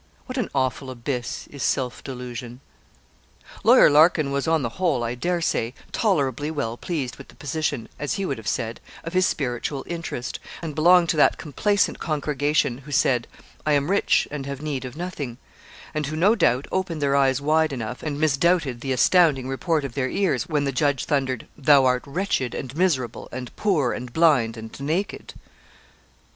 What an awful abyss is self delusion. Lawyer Larkin was, on the whole, I dare say, tolerably well pleased with the position, as he would have said, of his spiritual interest, and belonged to that complacent congregation who said, 'I am rich and have need of nothing;' and who, no doubt, opened their eyes wide enough, and misdoubted the astounding report of their ears, when the judge thundered, 'Thou art wretched and miserable, and poor and blind and naked.'